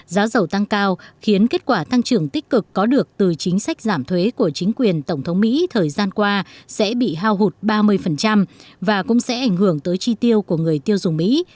giá dầu tăng cao khiến kết quả tăng trưởng tích cực có được từ chính sách giảm thuế của chính quyền tổng thống mỹ thời gian qua sẽ bị hao hụt ba mươi và cũng sẽ ảnh hưởng tới chi tiêu của người tiêu dùng mỹ